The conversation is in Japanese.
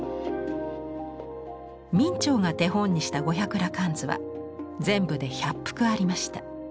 明兆が手本にした「五百羅漢図」は全部で１００幅ありました。